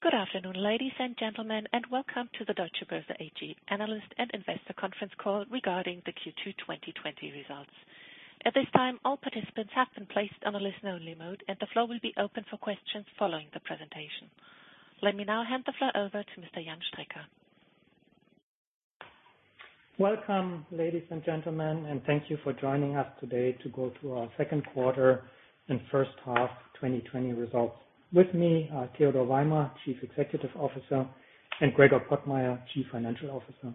Good afternoon, ladies and gentlemen, and welcome to the Deutsche Börse AG analyst and investor conference call regarding the Q2 2020 results. At this time, all participants have been placed on a listen only mode, and the floor will be open for questions following the presentation. Let me now hand the floor over to Mr. Jan Strecker. Welcome ladies and gentlemen, and thank you for joining us today to go through our second quarter and first half 2020 results. With me are Theodor Weimer, Chief Executive Officer, and Gregor Pottmeyer, Chief Financial Officer.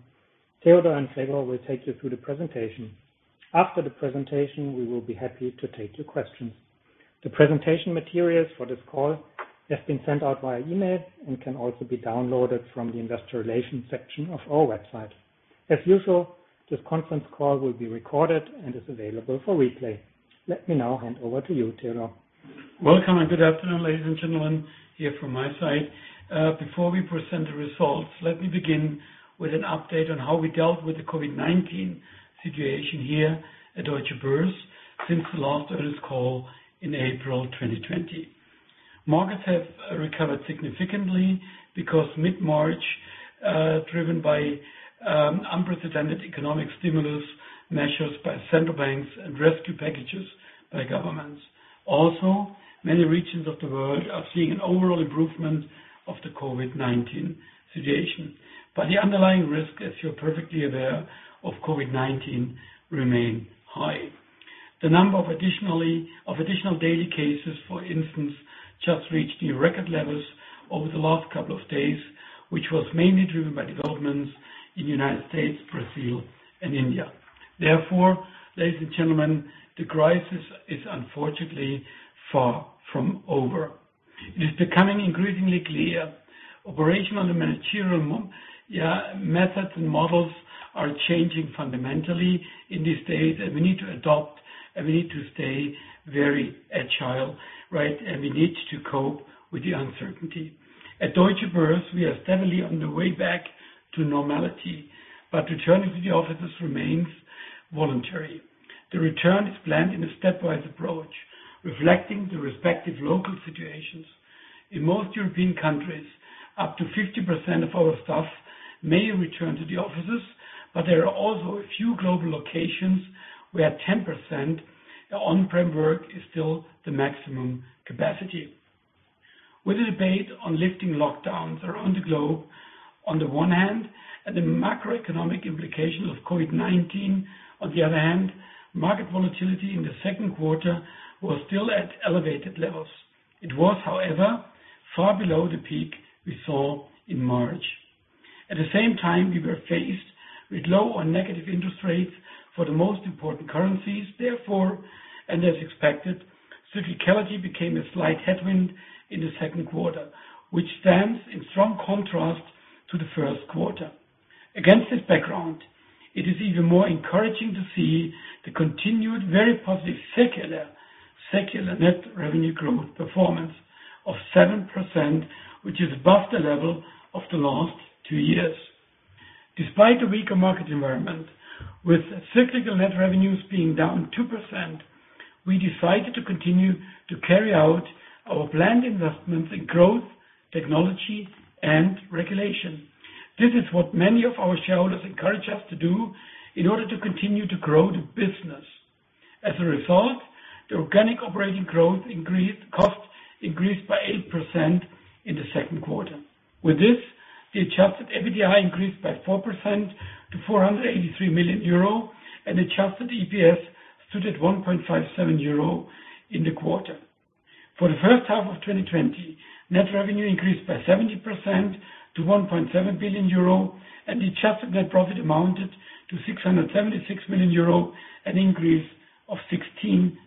Theodor and Gregor will take you through the presentation. After the presentation, we will be happy to take your questions. The presentation materials for this call have been sent out via email and can also be downloaded from the investor relations section of our website. As usual, this conference call will be recorded and is available for replay. Let me now hand over to you, Theodor. Welcome and good afternoon, ladies and gentlemen, here from my side. Before we present the results, let me begin with an update on how we dealt with the COVID-19 situation here at Deutsche Börse since the last earnings call in April 2020. Markets have recovered significantly because mid-March, driven by unprecedented economic stimulus measures by central banks and rescue packages by governments. Many regions of the world are seeing an overall improvement of the COVID-19 situation. The underlying risk, as you're perfectly aware, of COVID-19 remain high. The number of additional daily cases, for instance, just reached new record levels over the last couple of days, which was mainly driven by developments in the United States, Brazil and India. Therefore, ladies and gentlemen, the crisis is unfortunately far from over. It is becoming increasingly clear operational and managerial methods and models are changing fundamentally in this stage and we need to adopt and we need to stay very agile, right, and we need to cope with the uncertainty. At Deutsche Börse, we are steadily on the way back to normality. Returning to the offices remains voluntary. The return is planned in a stepwise approach, reflecting the respective local situations. In most European countries, up to 50% of our staff may return to the offices. There are also a few global locations where 10% on-prem work is still the maximum capacity. With the debate on lifting lockdowns around the globe on the one hand, and the macroeconomic implications of COVID-19 on the other hand, market volatility in the second quarter was still at elevated levels. It was, however, far below the peak we saw in March. At the same time, we were faced with low on negative interest rates for the most important currencies. Therefore, and as expected, cyclicality became a slight headwind in the second quarter, which stands in strong contrast to the first quarter. Against this background, it is even more encouraging to see the continued, very positive secular net revenue growth performance of 7%, which is above the level of the last two years. Despite the weaker market environment, with cyclical net revenues being down 2%, we decided to continue to carry out our planned investments in growth, technology and regulation. This is what many of our shareholders encourage us to do in order to continue to grow the business. As a result, the organic operating costs increased by 8% in the second quarter. With this, the adjusted EBITDA increased by 4% to 483 million euro and adjusted EPS stood at 1.57 euro in the quarter. For the first half of 2020, net revenue increased by 70% to 1.7 billion euro and the adjusted net profit amounted to 676 million euro, an increase of 16%.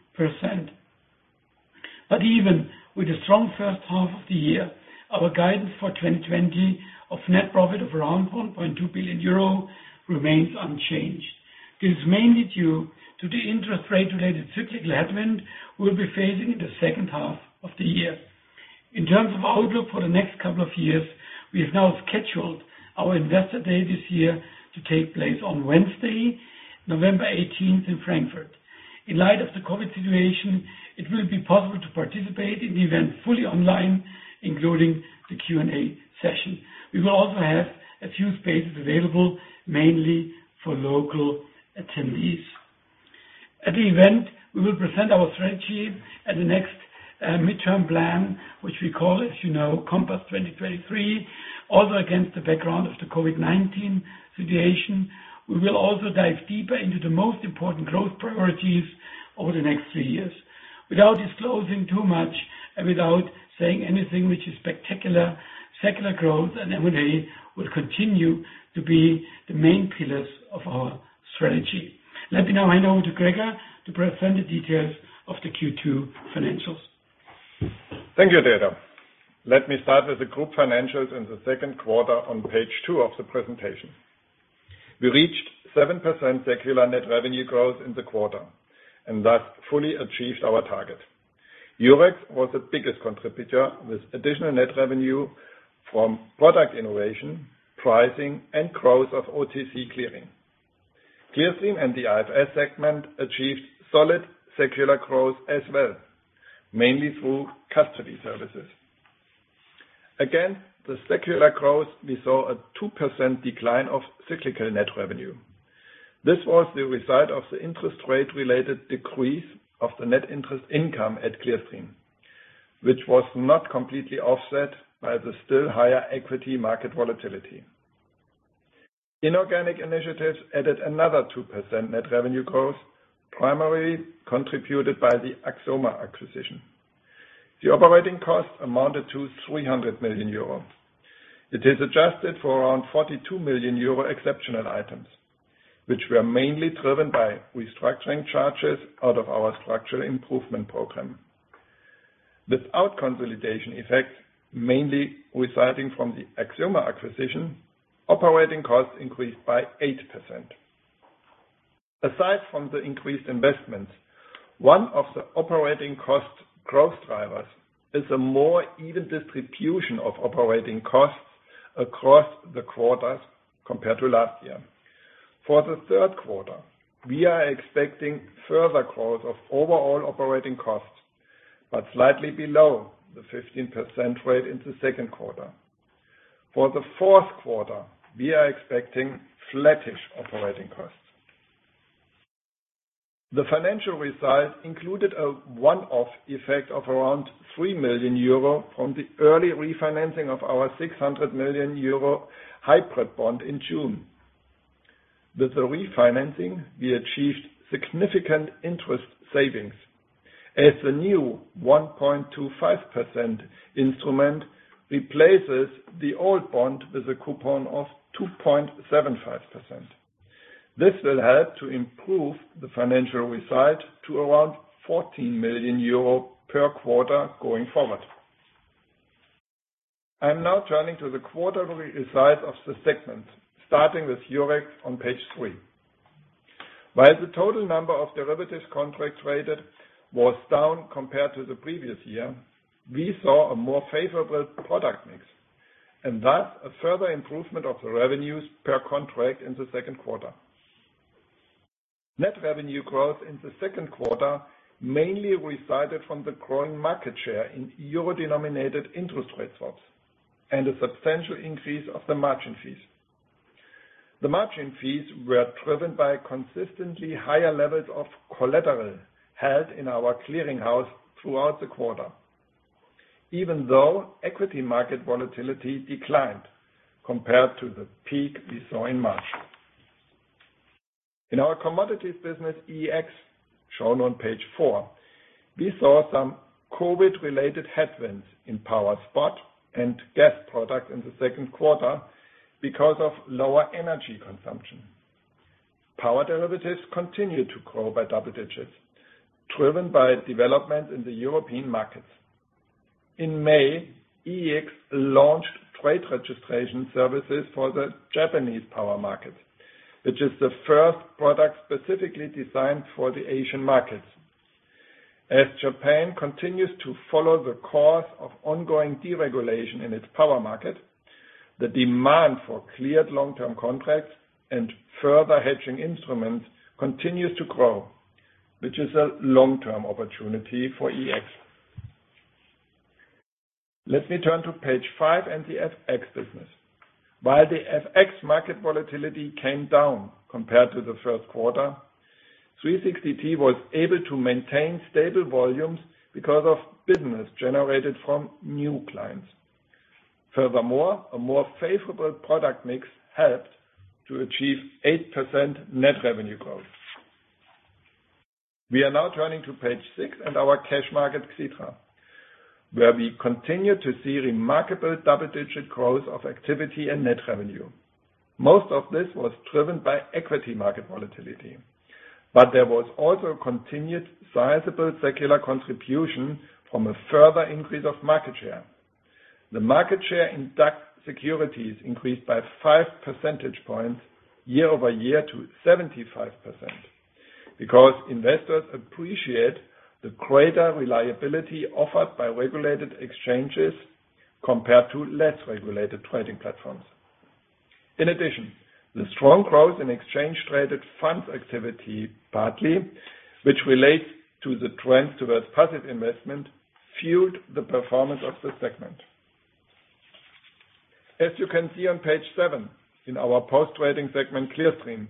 Even with a strong first half of the year, our guidance for 2020 of net profit of around 1.2 billion euro remains unchanged. This is mainly due to the interest rate related cyclical headwind we'll be facing in the second half of the year. In terms of outlook for the next couple of years, we have now scheduled our investor day this year to take place on Wednesday, November 18th in Frankfurt. In light of the COVID-19 situation, it will be possible to participate in the event fully online, including the Q&A session. We will also have a few spaces available, mainly for local attendees. At the event, we will present our strategy and the next midterm plan, which we call, as you know, Compass 2023, also against the background of the COVID-19 situation. We will also dive deeper into the most important growth priorities over the next three years. Without disclosing too much and without saying anything which is spectacular, secular growth and M&A will continue to be the main pillars of our strategy. Let me now hand over to Gregor to present the details of the Q2 financials. Thank you, Theodor. Let me start with the group financials in the second quarter on page 2 of the presentation. We reached 7% secular net revenue growth in the quarter, and thus fully achieved our target. Eurex was the biggest contributor, with additional net revenue from product innovation, pricing, and growth of OTC clearing. Clearstream and the IFS segment achieved solid secular growth as well, mainly through custody services. Again, the secular growth, we saw a 2% decline of cyclical net revenue. This was the result of the interest rate-related decrease of the net interest income at Clearstream, which was not completely offset by the still higher equity market volatility. Inorganic initiatives added another 2% net revenue growth, primarily contributed by the Axioma acquisition. The operating costs amounted to 300 million euro. It is adjusted for around 42 million euro exceptional items, which were mainly driven by restructuring charges out of our structural improvement program. Without consolidation effects, mainly resulting from the Axioma acquisition, operating costs increased by 8%. Aside from the increased investments, one of the operating cost growth drivers is a more even distribution of operating costs across the quarters compared to last year. For the third quarter, we are expecting further growth of overall operating costs, but slightly below the 15% rate in the second quarter. For the fourth quarter, we are expecting flattish operating costs. The financial result included a one-off effect of around 3 million euro from the early refinancing of our 600 million euro hybrid bond in June. With the refinancing, we achieved significant interest savings as the new 1.25% instrument replaces the old bond with a coupon of 2.75%. This will help to improve the financial result to around 14 million euro per quarter going forward. I'm now turning to the quarterly results of the segment, starting with Eurex on page 3. While the total number of derivatives contracts traded was down compared to the previous year, we saw a more favorable product mix, and thus a further improvement of the revenues per contract in the second quarter. Net revenue growth in the second quarter mainly resulted from the growing market share in euro-denominated interest rate swaps and a substantial increase of the margin fees. The margin fees were driven by consistently higher levels of collateral held in our clearing house throughout the quarter, even though equity market volatility declined compared to the peak we saw in March. In our commodities business, EEX, shown on page 4, we saw some COVID-related headwinds in power spot and gas products in the second quarter because of lower energy consumption. Power derivatives continued to grow by double digits, driven by development in the European markets. In May, EEX launched trade registration services for the Japanese power market, which is the first product specifically designed for the Asian markets. As Japan continues to follow the course of ongoing deregulation in its power market, the demand for cleared long-term contracts and further hedging instruments continues to grow, which is a long-term opportunity for EEX. Let me turn to page 5 and the FX business. While the FX market volatility came down compared to the first quarter, 360T was able to maintain stable volumes because of business generated from new clients. Furthermore, a more favorable product mix helped to achieve 8% net revenue growth. We are now turning to page 6 and our cash market, Xetra, where we continue to see remarkable double-digit growth of activity and net revenue. Most of this was driven by equity market volatility, but there was also a continued sizable secular contribution from a further increase of market share. The market share in DAX securities increased by five percentage points year-over-year to 75%, because investors appreciate the greater reliability offered by regulated exchanges compared to less regulated trading platforms. In addition, the strong growth in exchange-traded funds activity partly, which relates to the trend towards passive investment, fueled the performance of the segment. As you can see on page 7, in our post-trading segment, Clearstream,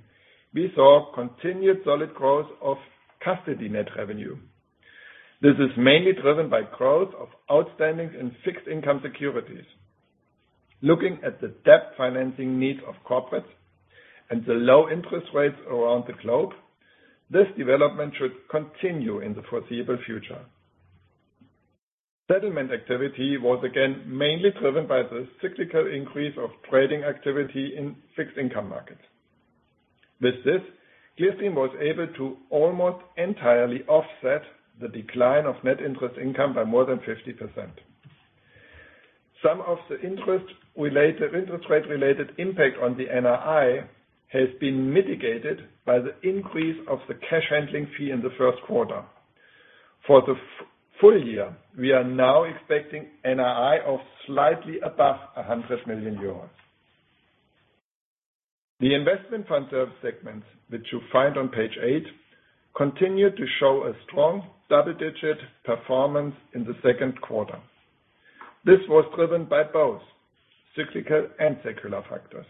we saw continued solid growth of custody net revenue. This is mainly driven by growth of outstanding and fixed income securities. Looking at the debt financing needs of corporates and the low-interest rates around the globe, this development should continue in the foreseeable future. Settlement activity was again mainly driven by the cyclical increase of trading activity in fixed income markets. With this, Clearstream was able to almost entirely offset the decline of net interest income by more than 50%. Some of the interest rate-related impact on the NII has been mitigated by the increase of the cash handling fee in the first quarter. For the full year, we are now expecting NII of slightly above 100 million euros. The Investment Fund Service segment, which you find on page 8, continued to show a strong double-digit performance in the second quarter. This was driven by both cyclical and secular factors.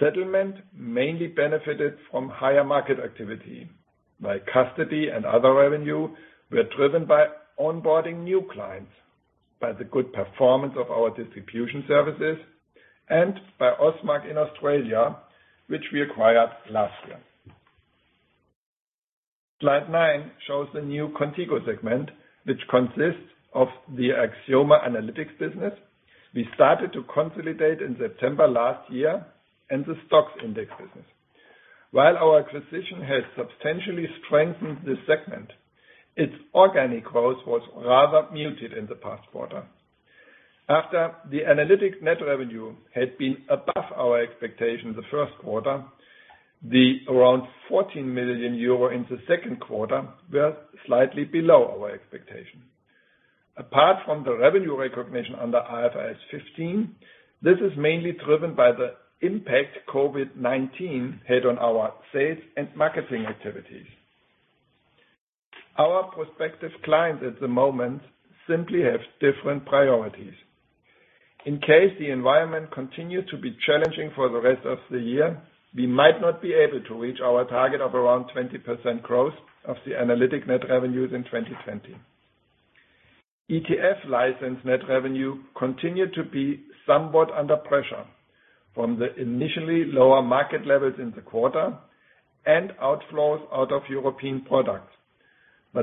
Settlement mainly benefited from higher market activity, while custody and other revenue were driven by onboarding new clients, by the good performance of our distribution services, and by Ausmaq in Australia, which we acquired last year. Slide 9 shows the new Qontigo segment, which consists of the Axioma analytics business. We started to consolidate in September last year and the STOXX index business. While our acquisition has substantially strengthened this segment, its organic growth was rather muted in the past quarter. After the analytic net revenue had been above our expectation the first quarter, the around 14 million euro in the second quarter were slightly below our expectation. Apart from the revenue recognition under IFRS 15, this is mainly driven by the impact COVID-19 had on our sales and marketing activities. Our prospective clients at the moment simply have different priorities. In case the environment continues to be challenging for the rest of the year, we might not be able to reach our target of around 20% growth of the analytics net revenues in 2020. ETF license net revenue continued to be somewhat under pressure from the initially lower market levels in the quarter and outflows out of European products.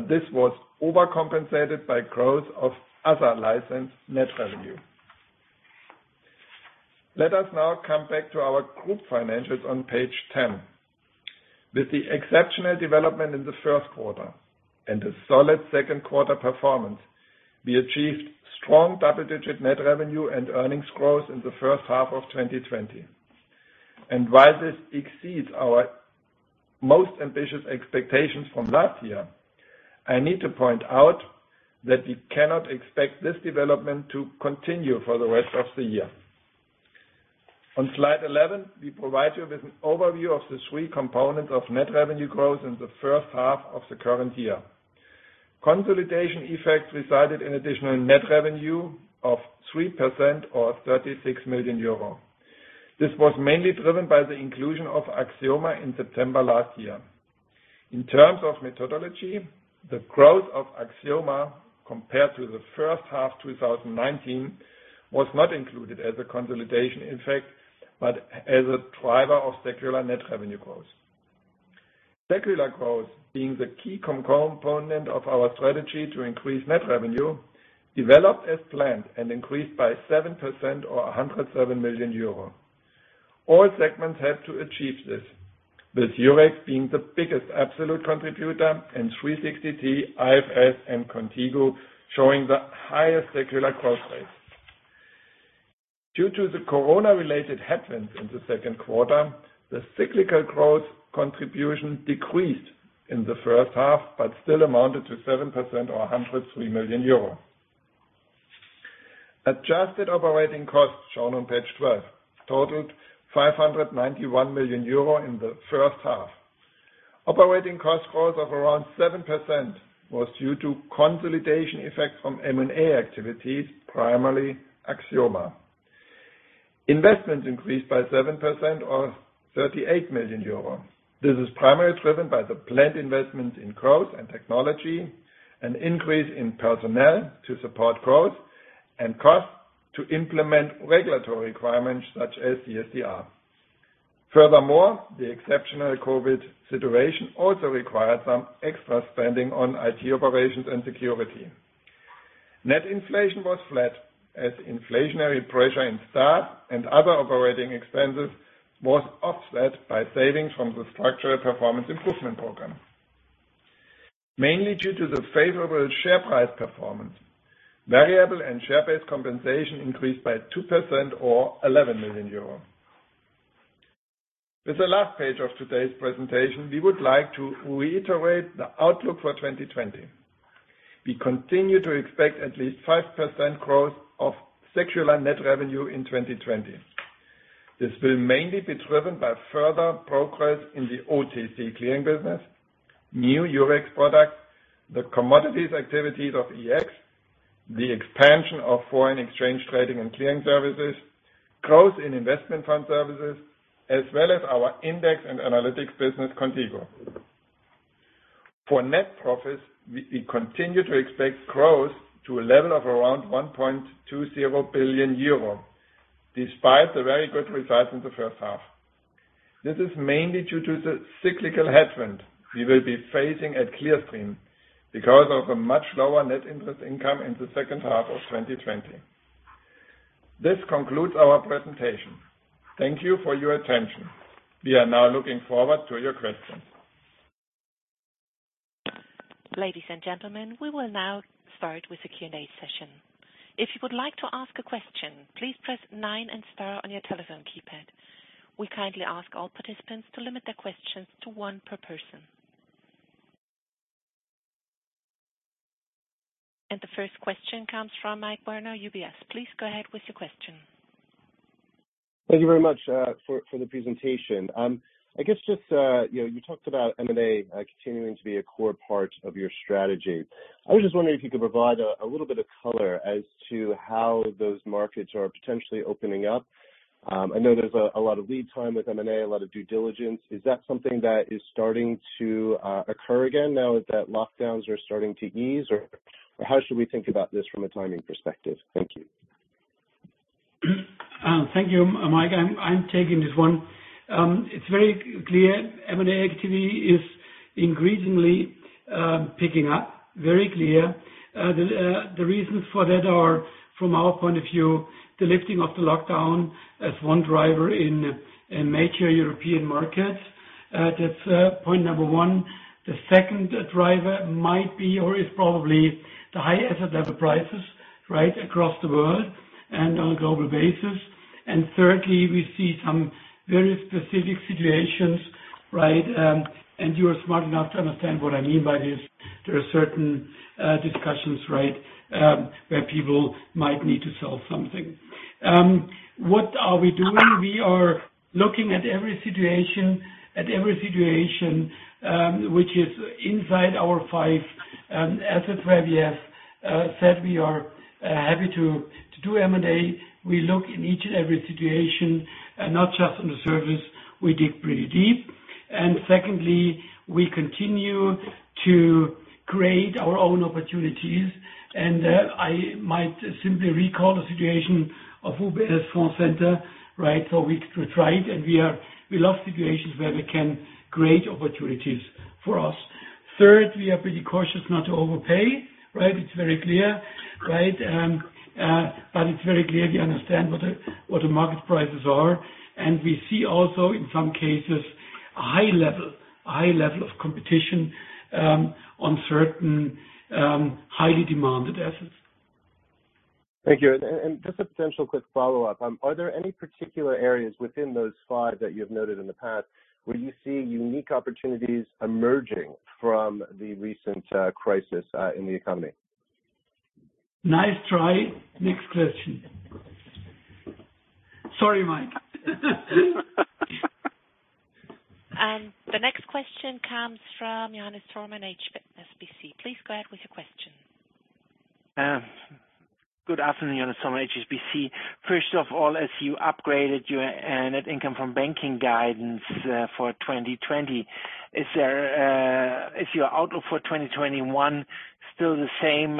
This was overcompensated by growth of other licensed net revenue. Let us now come back to our group financials on page 10. With the exceptional development in the first quarter and a solid second quarter performance, we achieved strong double-digit net revenue and earnings growth in the first half of 2020. While this exceeds our most ambitious expectations from last year, I need to point out that we cannot expect this development to continue for the rest of the year. On slide 11, we provide you with an overview of the three components of net revenue growth in the first half of the current year. Consolidation effects resulted in additional net revenue of 3% or 36 million euro. This was mainly driven by the inclusion of Axioma in September last year. In terms of methodology, the growth of Axioma compared to the first half 2019 was not included as a consolidation effect, but as a driver of secular net revenue growth. Secular growth, being the key component of our strategy to increase net revenue, developed as planned and increased by 7% or 107 million euro. All segments helped to achieve this, with Eurex being the biggest absolute contributor and 360T, IFS, and Qontigo showing the highest secular growth rates. Due to the corona-related headwinds in the second quarter, the cyclical growth contribution decreased in the first half, but still amounted to 7% or 103 million euro. Adjusted operating costs, shown on page 12, totaled 591 million euro in the first half. Operating cost growth of around 7% was due to consolidation effects from M&A activities, primarily Axioma. Investments increased by 7% or 38 million euros. This is primarily driven by the planned investments in growth and technology, an increase in personnel to support growth, and costs to implement regulatory requirements such as CSDR. The exceptional COVID situation also required some extra spending on IT operations and security. Net inflation was flat as inflationary pressure in staff and other operating expenses was offset by savings from the structural performance improvement program. Mainly due to the favorable share price performance, variable and share-based compensation increased by 2% or 11 million euros. With the last page of today's presentation, we would like to reiterate the outlook for 2020. We continue to expect at least 5% growth of secular net revenue in 2020. This will mainly be driven by further progress in the OTC clearing business, new Eurex products, the commodities activities of EEX, the expansion of foreign exchange trading and clearing services, growth in investment fund services, as well as our index and analytics business, Qontigo. For net profits, we continue to expect growth to a level of around 1.20 billion euro, despite the very good results in the first half. This is mainly due to the cyclical headwind we will be facing at Clearstream because of the much lower net interest income in the second half of 2020. This concludes our presentation. Thank you for your attention. We are now looking forward to your questions. Ladies and gentlemen, we will now start with the Q&A session. If you would like to ask a question, please press nine and star on your telephone keypad. We kindly ask all participants to limit their questions to one per person. The first question comes from Mike Werner, UBS. Please go ahead with your question. Thank you very much for the presentation. I guess just, you talked about M&A continuing to be a core part of your strategy. I was just wondering if you could provide a little bit of color as to how those markets are potentially opening up. I know there's a lot of lead time with M&A, a lot of due diligence. Is that something that is starting to occur again now that lockdowns are starting to ease? How should we think about this from a timing perspective? Thank you. Thank you, Mike. I'm taking this one. It's very clear M&A activity is increasingly picking up, very clear. The reasons for that are, from our point of view, the lifting of the lockdown as one driver in major European markets. That's point number one. The second driver might be or is probably the high asset level prices across the world and on a global basis. Thirdly, we see some very specific situations. You are smart enough to understand what I mean by this. There are certain discussions where people might need to sell something. What are we doing? We are looking at every situation which is inside our five asset classes. As said, we are happy to do M&A. We look in each and every situation, not just on the surface. We dig pretty deep. Secondly, we continue to create our own opportunities. There I might simply recall the situation of UBS Fondcenter. We tried and we love situations where we can create opportunities for us. Third, we are pretty cautious not to overpay. It's very clear. It's very clear we understand what the market prices are, and we see also in some cases, a high level of competition on certain highly demanded assets. Thank you. Just a potential quick follow-up. Are there any particular areas within those five that you've noted in the past where you see unique opportunities emerging from the recent crisis in the economy? Nice try. Next question. Sorry, Mike. The next question comes from Johannes Thormann, HSBC. Please go ahead with your question. Good afternoon. Johannes Thormann, HSBC. First of all, as you upgraded your net income from banking guidance for 2020, is your outlook for 2021 still the same?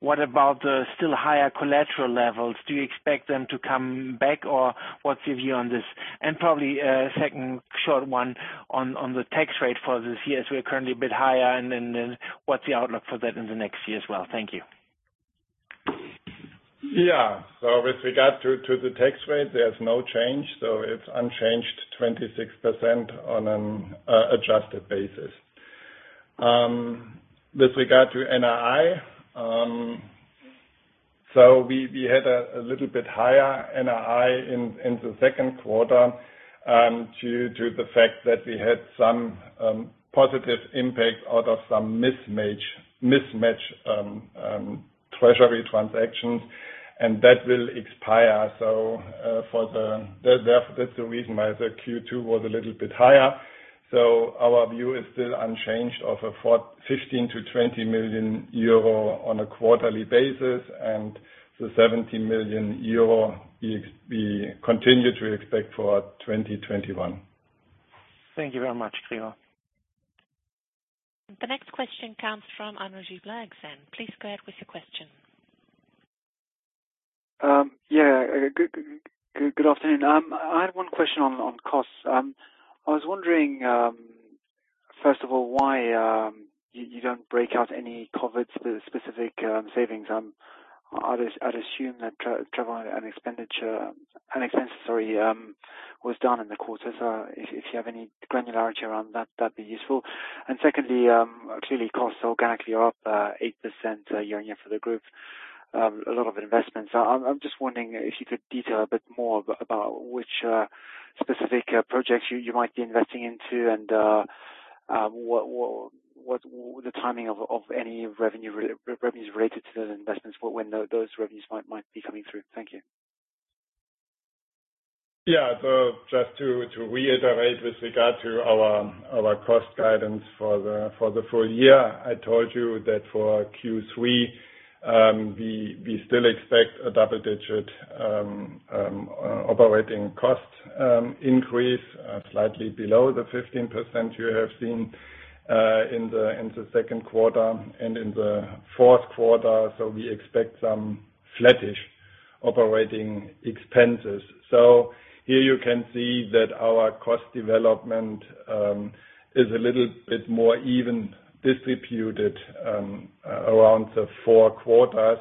What about the still higher collateral levels? Do you expect them to come back, or what's your view on this? Probably a second short one on the tax rate for this year, as we are currently a bit higher, then what's the outlook for that in the next year as well? Thank you. Yeah. With regard to the tax rate, there's no change. It's unchanged 26% on an adjusted basis. With regard to NII, so we had a little bit higher NII in the second quarter due to the fact that we had some positive impact out of some mismatch treasury transactions, and that will expire. That's the reason why the Q2 was a little bit higher. Our view is still unchanged of a 15 million-20 million euro on a quarterly basis, and the 70 million euro we continue to expect for 2021. Thank you very much, Theodor. The next question comes from Arnaud Giblat. Please go ahead with your question. Yeah. Good afternoon. I have one question on costs. I was wondering, first of all, why you don't break out any COVID-19-specific savings. I'd assume that travel and expenditure was down in the quarter. If you have any granularity around that'd be useful. Secondly, clearly costs organically are up 8% year-on-year for the group. A lot of investments. I'm just wondering if you could detail a bit more about which specific projects you might be investing into and what the timing of any revenues related to those investments, when those revenues might be coming through. Thank you. Just to reiterate with regard to our cost guidance for the full year, I told you that for Q3 we still expect a double-digit operating cost increase, slightly below the 15% you have seen in the second quarter and in the fourth quarter. We expect some flattish operating expenses. Here you can see that our cost development is a little bit more even distributed around the four quarters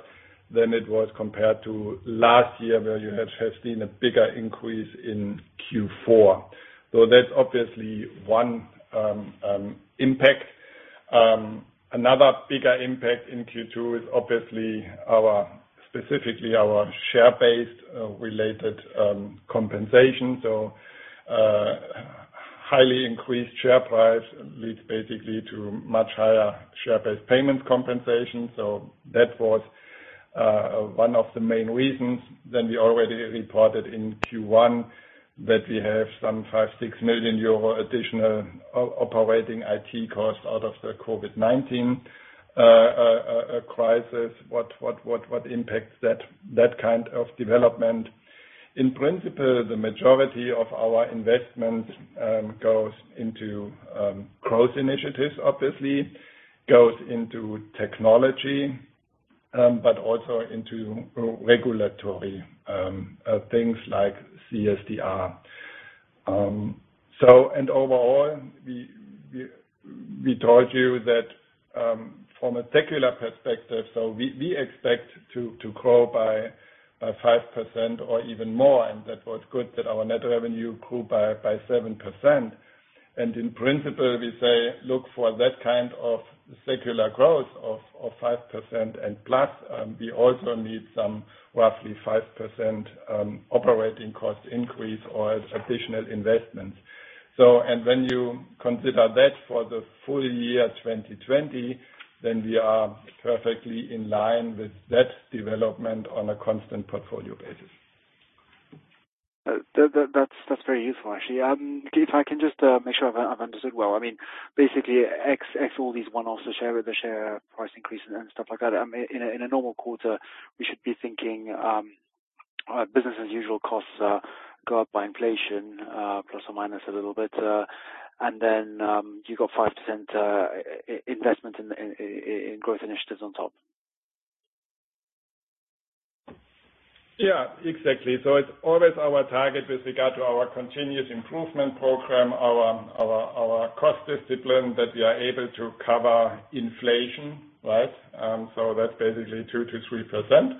than it was compared to last year, where you have seen a bigger increase in Q4. That's obviously one impact. Another bigger impact in Q2 is obviously specifically our share-based related compensation. Highly increased share price leads basically to much higher share-based payment compensation. That was one of the main reasons that we already reported in Q1 that we have some 5 million euro, 6 million euro additional operating IT costs out of the COVID-19 crisis. What impacts that kind of development. In principle, the majority of our investment goes into growth initiatives, obviously, goes into technology, but also into regulatory things like CSDR. Overall, we told you that from a secular perspective, so we expect to grow by 5% or even more, and that was good that our net revenue grew by 7%. In principle, we say look for that kind of secular growth of 5% and plus. We also need some roughly 5% operating cost increase or additional investments. When you consider that for the full year 2020, then we are perfectly in line with that development on a constant portfolio basis. That's very useful actually. If I can just make sure I've understood well. Basically all these one-offs, the share price increase and stuff like that. In a normal quarter, we should be thinking business as usual costs go up by inflation, plus or minus a little bit. You've got 5% investment in growth initiatives on top. Yeah, exactly. It's always our target with regard to our continuous improvement program, our cost discipline that we are able to cover inflation, right? That's basically 2%-3%.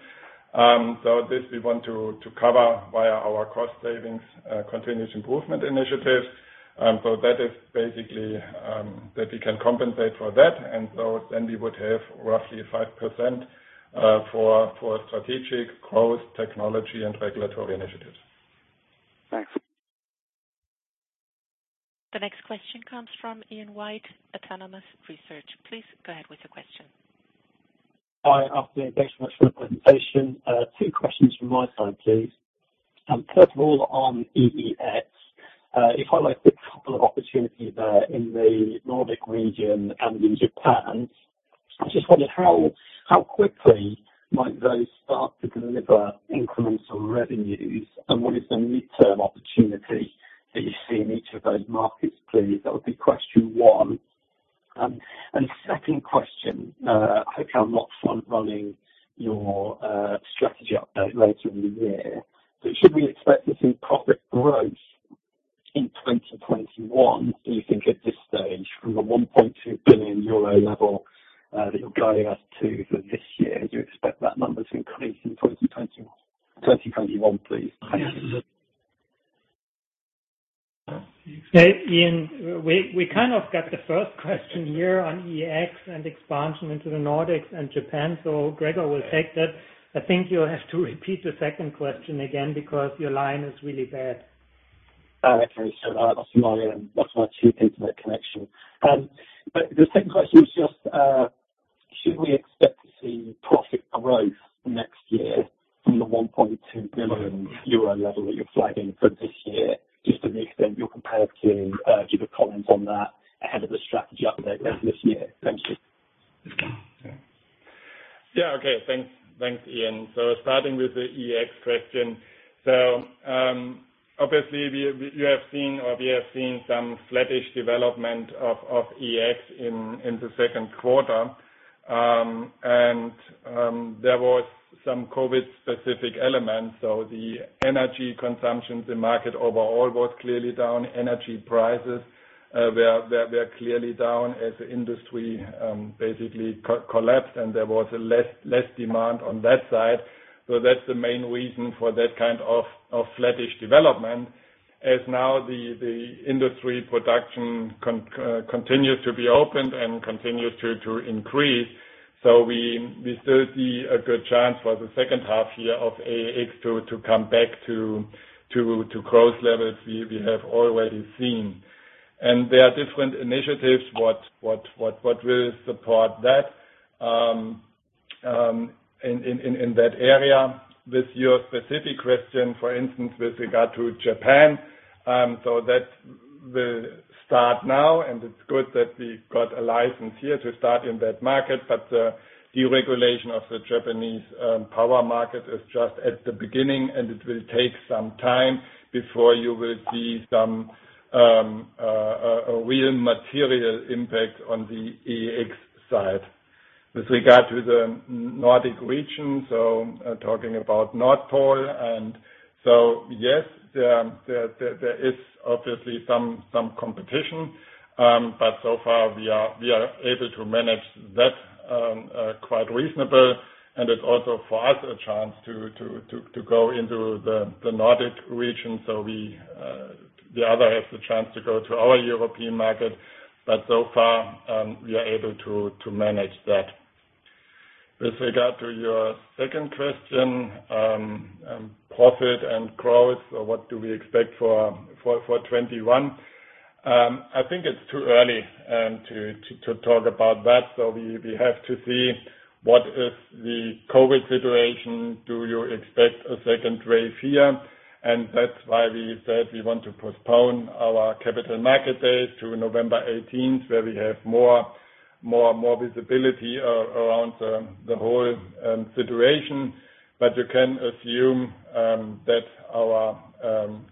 This we want to cover via our cost savings continuous improvement initiatives. That is basically that we can compensate for that. We would have roughly 5% for strategic growth technology and regulatory initiatives. Thanks. The next question comes from Ian White, Autonomous Research. Please go ahead with your question. Hi. Afternoon. Thanks so much for the presentation. Two questions from my side, please. First of all, on EEX, if I highlight the couple of opportunities there in the Nordic region and in Japan, I just wondered how quickly might those start to deliver incremental revenues and what is the midterm opportunity that you see in each of those markets, please? That would be question one. Second question, I hope I'm not front-running your strategy update later in the year, should we expect to see profit growth in 2021, do you think at this stage, from the 1.2 billion euro level that you're guiding us to for this year? Do you expect that number to increase in 2021, please? Ian, we kind of got the first question here on EEX and expansion into the Nordics and Japan. Gregor will take that. I think you'll have to repeat the second question again because your line is really bad. Oh, okay. Sorry about that. That's my cheap Internet connection. The second question is just, should we expect to see profit growth next year from the 1.2 billion euro level that you're flagging for this year, just to the extent you're compared to give a comment on that ahead of the strategy update later this year? Thank you. Yeah. Okay. Thanks, Ian. Starting with the EEX question. Obviously you have seen or we have seen some flattish development of EEX in the second quarter. There was some COVID-specific elements. The energy consumption, the market overall was clearly down. Energy prices were clearly down as the industry basically collapsed, and there was less demand on that side. That's the main reason for that kind of flattish development. As now the industry production continues to be opened and continues to increase. We still see a good chance for the second half year of EEX to come back to growth levels we have already seen. There are different initiatives what will support that in that area. With your specific question, for instance, with regard to Japan, that will start now, it's good that we got a license here to start in that market. The deregulation of the Japanese power market is just at the beginning, it will take some time before you will see some real material impact on the EEX side. With regard to the Nordic region, talking about Nord Pool, yes, there is obviously some competition, so far we are able to manage that reasonable, it's also for us a chance to go into the Nordic region. The other has the chance to go to our European market, so far, we are able to manage that. With regard to your second question, profit and growth, what do we expect for 2021? I think it's too early to talk about that. We have to see what is the COVID-19 situation. Do you expect a second wave here? That's why we said we want to postpone our capital market date to November 18th, where we have more visibility around the whole situation. You can assume that our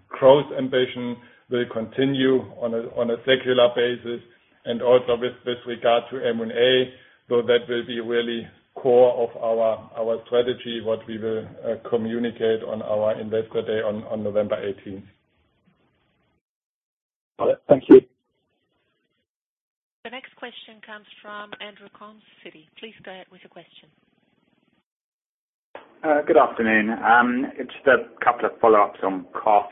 growth ambition will continue on a secular basis and also with regard to M&A. That will be really core of our strategy, what we will communicate on our investor day on November 18th. Got it. Thank you. The next question comes from Andrew Coombs, Citi. Please go ahead with your question. Good afternoon. Just a couple of follow-ups on cost.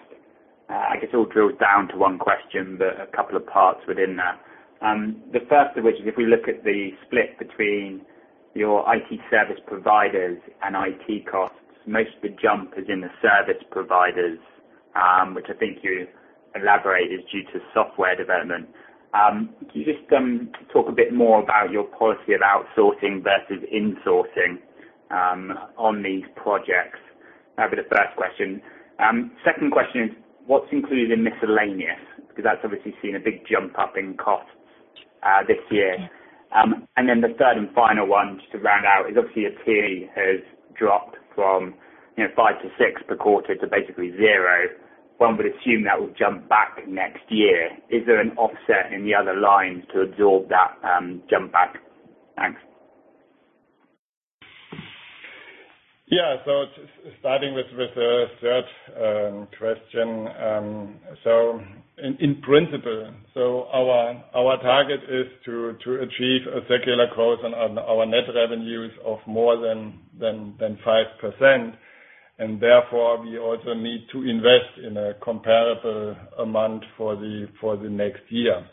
I guess it all drills down to one question, but a couple of parts within that. The first of which, if we look at the split between your IT service providers and IT costs, most of the jump is in the service providers, which I think you elaborated is due to software development. Can you just talk a bit more about your policy of outsourcing versus insourcing on these projects? That'd be the first question. Second question is what's included in miscellaneous? Because that's obviously seen a big jump up in cost this year. The third and final one, just to round out, is obviously your T&E has dropped from five to six per quarter to basically zero. One would assume that will jump back next year. Is there an offset in the other lines to absorb that jump back? Thanks. Yeah. Starting with the third question. In principle, our target is to achieve a secular growth on our net revenues of more than 5%. Therefore, we also need to invest in a comparable amount for the next year.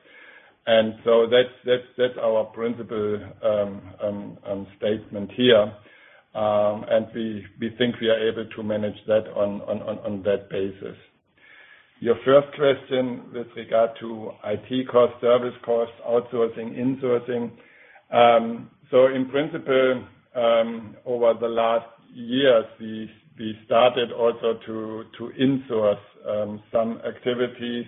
That's our principle statement here. We think we are able to manage that on that basis. Your first question with regard to IT cost, service cost, outsourcing, insourcing. In principle, over the last years, we started also to insource some activities,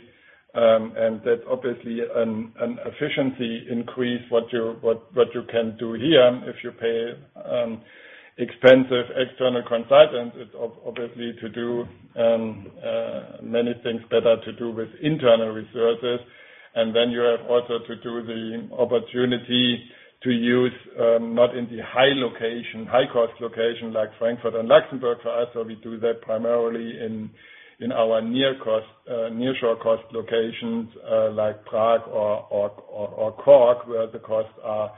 and that obviously an efficiency increase what you can do here if you pay expensive external consultants, it's obviously to do many things better to do with internal resources. You have also to do the opportunity to use, not in the high cost location like Frankfurt and Luxembourg for us, so we do that primarily in our nearshore cost locations, like Prague or Cork, where the costs are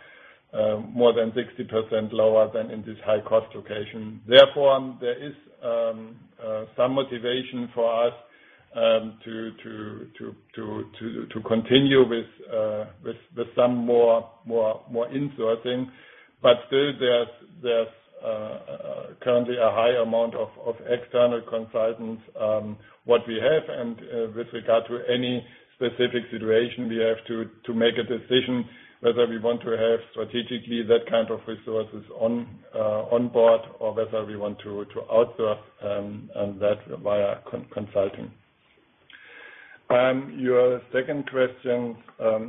more than 60% lower than in this high cost location. There is some motivation for us to continue with some more insourcing. Still, there's currently a high amount of external consultants, what we have. With regard to any specific situation, we have to make a decision whether we want to have strategically that kind of resources on board or whether we want to outsource, and that via consulting. Your second question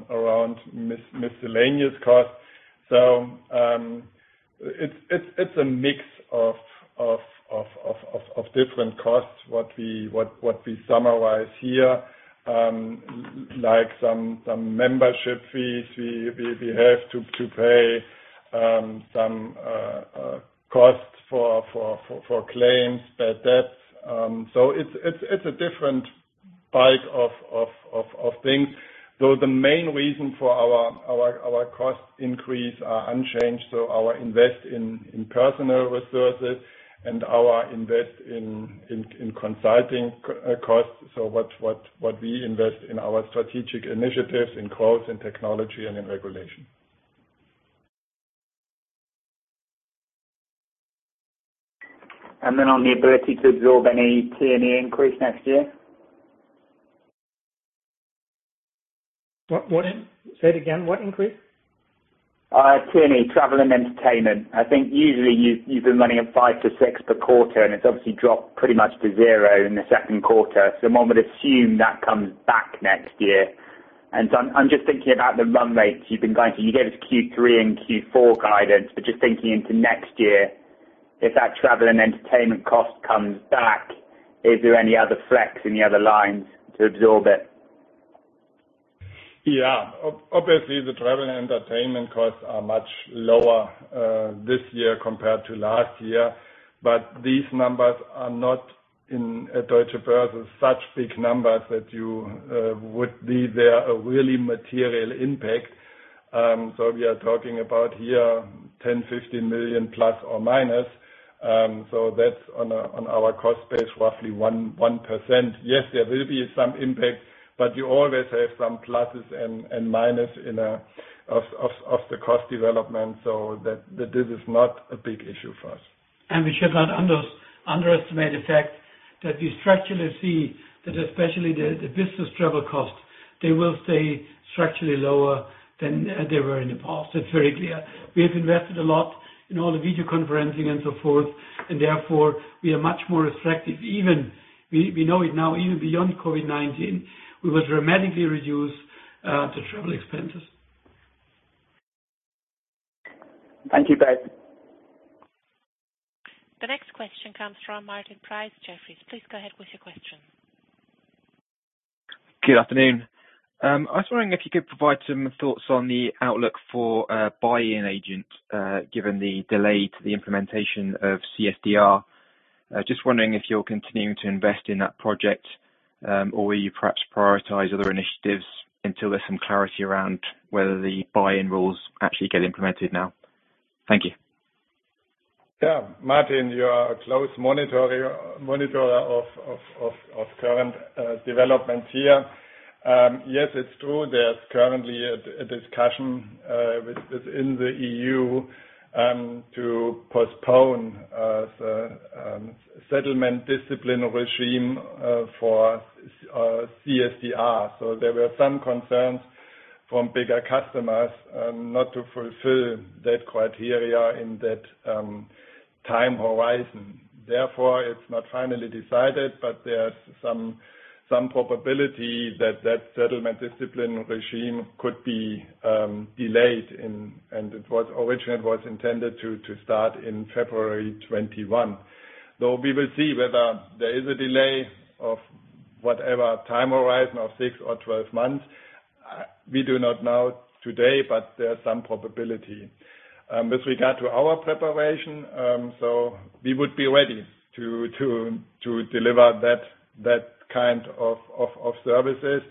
around miscellaneous costs. It's a mix of different costs, what we summarize here, like some membership fees we have to pay, some costs for claims, bad debts. It's a different bag of things. The main reason for our cost increase are unchanged. Our investment in personal resources and our investment in consulting costs. What we invest in our strategic initiatives, in growth, in technology, and in regulation. On the ability to absorb any T&E increase next year? Say it again? What increase? T&E, travel and entertainment. I think usually you've been running at five-six per quarter, and it's obviously dropped pretty much to zero in the second quarter. One would assume that comes back next year. I'm just thinking about the run rates you've been guiding. You gave us Q3 and Q4 guidance, but just thinking into next year, if that travel and entertainment cost comes back, is there any other flex in the other lines to absorb it? Yeah. Obviously the travel and entertainment costs are much lower this year compared to last year. These numbers are not in Deutsche Börse such big numbers that they are a really material impact. We are talking about here 10 million, 15 million plus or minus. That's on our cost base, roughly 1%. Yes, there will be some impact, you always have some pluses and minus of the cost development. This is not a big issue for us. We should not underestimate the fact that we structurally see that especially the business travel cost, they will stay structurally lower than they were in the past. It's very clear. We have invested a lot in all the video conferencing and so forth, and therefore, we are much more effective. We know it now, even beyond COVID-19, we will dramatically reduce the travel expenses. Thank you, guys. The next question comes from Martin Price, Jefferies. Please go ahead with your question. Good afternoon. I was wondering if you could provide some thoughts on the outlook for buy-in agent, given the delay to the implementation of CSDR. Just wondering if you're continuing to invest in that project, or will you perhaps prioritize other initiatives until there's some clarity around whether the buy-in rules actually get implemented now? Thank you. Yeah. Martin, you are a close monitor of current development here. Yes, it's true, there's currently a discussion within the E.U. to postpone the settlement discipline regime for CSDR. There were some concerns from bigger customers not to fulfill that criteria in that time horizon. Therefore, it's not finally decided, but there's some probability that settlement discipline regime could be delayed. It originally was intended to start in February 2021. We will see whether there is a delay of whatever time horizon of six or 12 months. We do not know today, but there's some probability. With regard to our preparation, we would be ready to deliver that kind of services.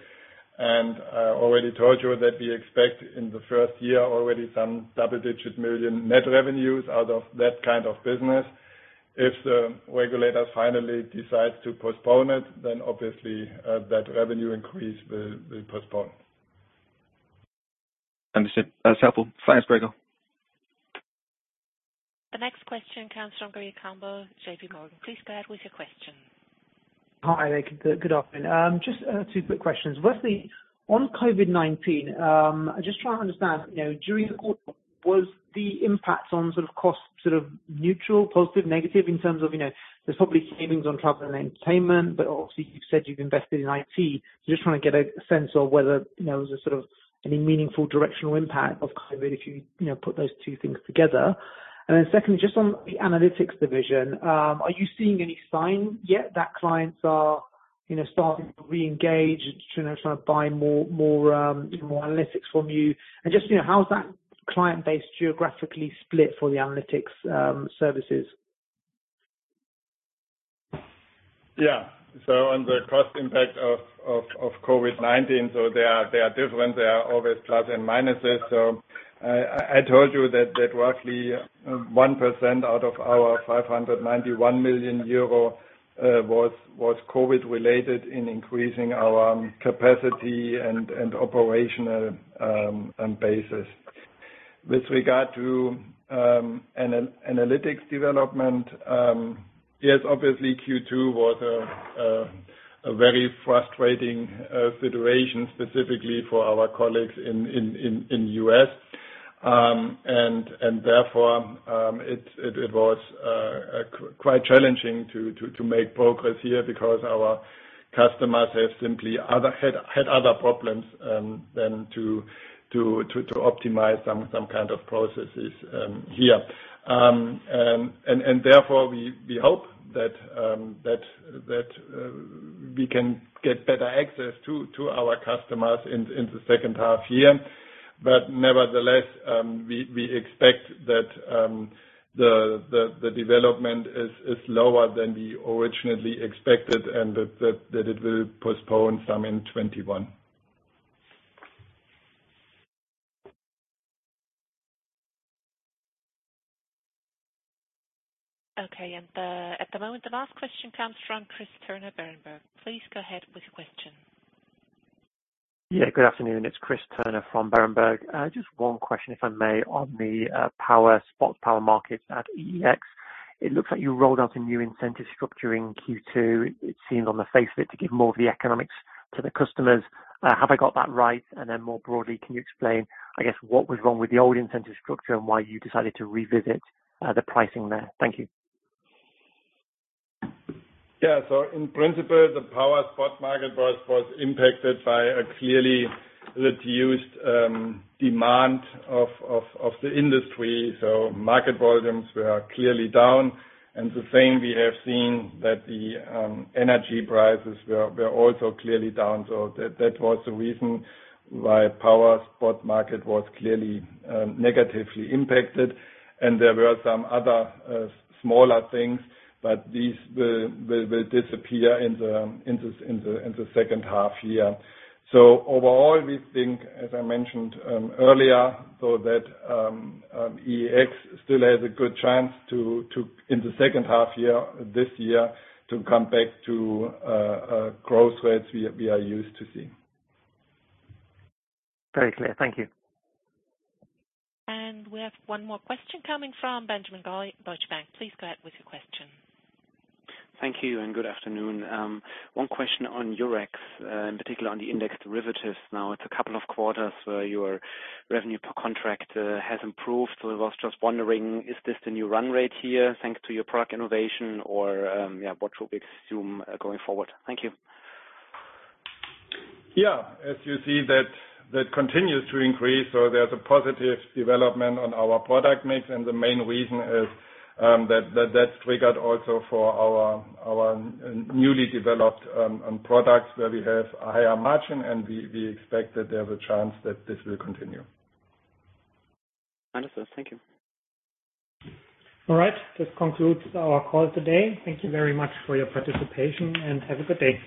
I already told you that we expect in the first year already some double-digit million net revenues out of that kind of business. If the regulator finally decides to postpone it, then obviously, that revenue increase will be postponed. Understood. That's helpful. Thanks, Gregor. The next question comes from Gurjit Kambo, JPMorgan. Please go ahead with your question. Hi there. Good afternoon. Just two quick questions. Firstly, on COVID-19, I am just trying to understand, during the quarter, was the impact on cost neutral, positive, negative in terms of, there is probably savings on travel and entertainment, but obviously, you have said you have invested in IT. Just trying to get a sense of whether there was any meaningful directional impact of COVID if you put those two things together. Secondly, just on the analytics division, are you seeing any signs yet that clients are starting to reengage and trying to buy more analytics from you? Just how is that client base geographically split for the analytics services? On the cost impact of COVID-19, they are different. There are always plus and minuses. I told you that roughly 1% out of our 591 million euro was COVID-related in increasing our capacity and operational basis. With regard to analytics development, yes, obviously, Q2 was a very frustrating situation, specifically for our colleagues in U.S. Therefore, it was quite challenging to make progress here because our customers have simply had other problems than to optimize some kind of processes here. Therefore, we hope that we can get better access to our customers in the second half year. Nevertheless, we expect that the development is lower than we originally expected and that it will postpone some in 2021. Okay. At the moment, the last question comes from Chris Turner, Berenberg. Please go ahead with your question. Yeah. Good afternoon. It's Chris Turner from Berenberg. Just one question, if I may, on the power spot power markets at EEX. It looks like you rolled out a new incentive structure in Q2. It seems on the face of it to give more of the economics to the customers. Have I got that right? More broadly, can you explain, I guess, what was wrong with the old incentive structure and why you decided to revisit the pricing there? Thank you. In principle, the power spot market was impacted by a clearly reduced demand of the industry. Market volumes were clearly down. The same we have seen that the energy prices were also clearly down. That was the reason why power spot market was clearly negatively impacted, and there were some other smaller things. These will disappear in the second half year. Overall, we think, as I mentioned earlier, that EEX still has a good chance in the second half year this year to come back to growth rates we are used to seeing. Very clear. Thank you. We have one more question coming from Benjamin Goy, Deutsche Bank. Please go ahead with your question. Thank you. Good afternoon. One question on Eurex, in particular on the index derivatives. It's a couple of quarters where your revenue per contract has improved. I was just wondering, is this the new run rate here, thanks to your product innovation or what should we assume going forward? Thank you. Yeah. As you see, that continues to increase. There's a positive development on our product mix, and the main reason is that that's triggered also for our newly developed products where we have a higher margin, and we expect that there's a chance that this will continue. Understood. Thank you. All right. This concludes our call today. Thank you very much for your participation, and have a good day.